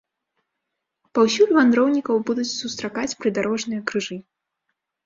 Паўсюль вандроўнікаў будуць сустракаць прыдарожныя крыжы.